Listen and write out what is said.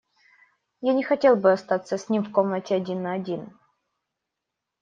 Я не хотел бы остаться с ним в комнате один на один.